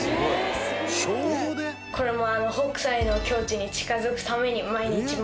これも。